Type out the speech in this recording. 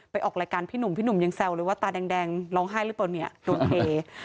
ออกรายการพี่หนุ่มพี่หนุ่มยังแซวเลยว่าตาแดงร้องไห้หรือเปล่าเนี่ยโดนเท